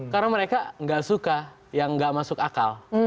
karena mereka gak suka yang gak masuk akal